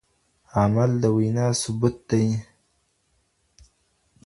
عمل د وينا ثبوت دی.